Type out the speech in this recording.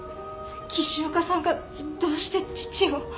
岸岡さんがどうして父を？